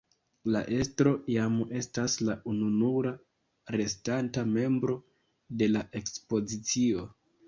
La estro jam estas la ununura restanta membro de la ekspedicio.